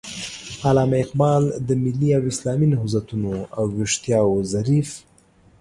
علامه اقبال د ملي او اسلامي نهضتونو او ويښتياو ظريف